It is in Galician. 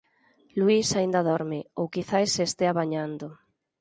Luís aínda dorme, ou quizais se estea bañando.